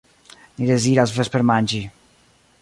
Ni deziras vespermanĝi.